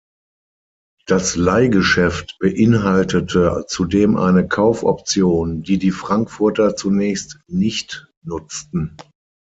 Das Leihgeschäft beinhaltete zudem eine Kaufoption, die die Frankfurter zunächst nicht nutzten.